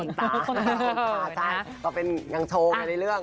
คนตาคนตาใช่ก็เป็นนางโชว์ไงในเรื่อง